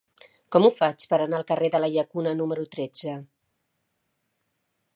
Com ho faig per anar al carrer de la Llacuna número tretze?